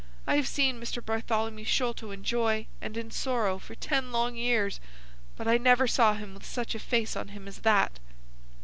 I have seen Mr. Bartholomew Sholto in joy and in sorrow for ten long years, but I never saw him with such a face on him as that."